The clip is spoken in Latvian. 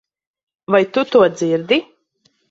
Vai tu to dzirdi?